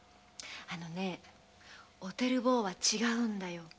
でもねおてる坊は違うんだよ。